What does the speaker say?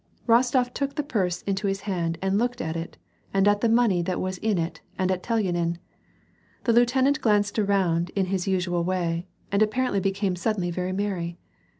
Bostof took the purse into his hand and looked at it and at the money that was in it and at Telyanin. The lieutenant glanced around in his usual way, and apparently became suddenly very merry.